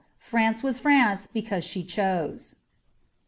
France was France because she chose.